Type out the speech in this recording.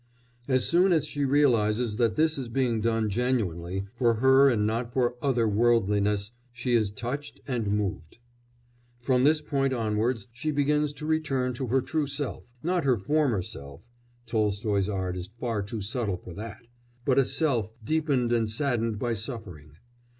As soon as she realises that this is being done genuinely, for her and not for "other worldliness," she is touched and moved. From this point onwards she begins to return to her true self not her former self (Tolstoy's art is far too subtle for that), but a self deepened and saddened by suffering.